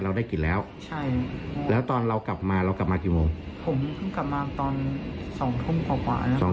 เราเลยแจ้งไหมบ้าง